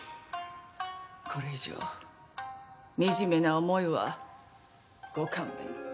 これ以上惨めな思いはご勘弁。